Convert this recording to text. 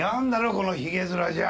このヒゲ面じゃ。